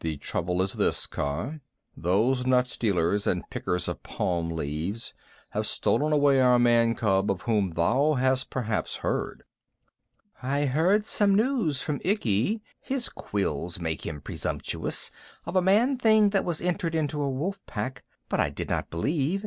"The trouble is this, Kaa. Those nut stealers and pickers of palm leaves have stolen away our man cub of whom thou hast perhaps heard." "I heard some news from Ikki (his quills make him presumptuous) of a man thing that was entered into a wolf pack, but I did not believe.